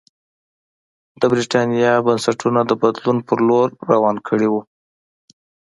د برېټانیا بنسټونه د بدلون په لور روان کړي وو.